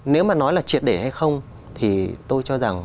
nếu mà nói là triệt để hay không thì tôi cho rằng